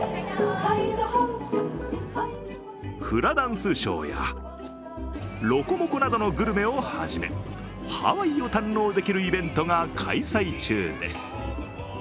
フラダンスショーやロコモコなどのグルメをはじめハワイを堪能できるイベントが開催中です。